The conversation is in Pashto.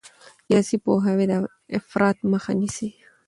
سیاسي پوهاوی د افراط مخه نیسي